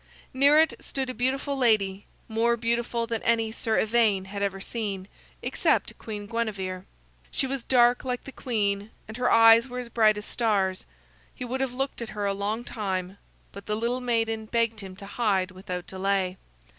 Near it stood a beautiful lady, more beautiful than any Sir Ivaine had ever seen, except Queen Guinevere. She was dark like the queen, and her eyes were as bright as stars. He would have looked at her a long time, but the little maiden begged him to hide without delay.